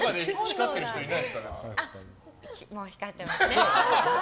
もう光ってますね。